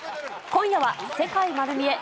今夜は、世界まる見え！